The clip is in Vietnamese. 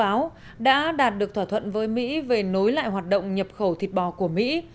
báo đã đạt được thỏa thuận với mỹ về nối lại hoạt động nhập khẩu thịt bò của mỹ